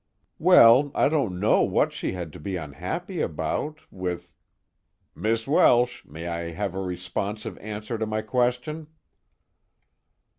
"Well, I don't know what she had to be unhappy about, with " "Miss Welsh, may I have a responsive answer to my question?"